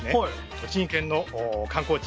栃木県の観光地